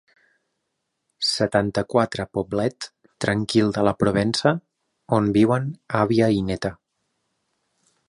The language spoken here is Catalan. Setanta-quatre poblet tranquil de la Provença on viuen àvia i néta.